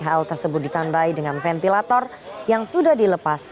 hal tersebut ditandai dengan ventilator yang sudah dilepas